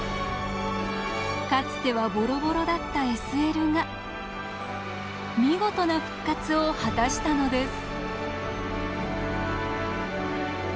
かつてはボロボロだったＳＬが見事な復活を果たしたのです。